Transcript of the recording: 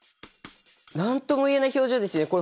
何とも言えない表情ですよ。